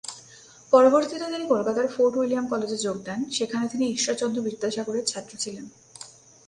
পরবর্তীতে তিনি কলকাতার ফোর্ট উইলিয়াম কলেজে যোগ দেন, সেখানে তিনি ঈশ্বরচন্দ্র বিদ্যাসাগরের ছাত্র ছিলেন।